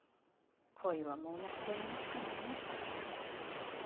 恋は盲目といいますからね。